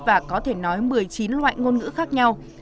và có thể nói một mươi chín loại ngôn ngữ khác nhau